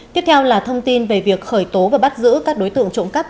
tiếp theo là thông tin về việc khởi tố và bắt giữ các đối tượng trộm cắp